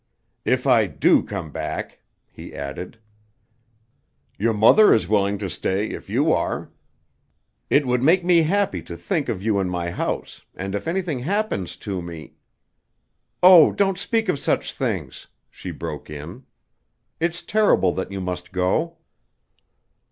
"If I do come back," he added. "Your mother is willing to stay if you are. It would make me happy to think of you in my house, and if anything happens to me...." "Oh, don't speak of such things!" she broke in. "It's terrible that you must go."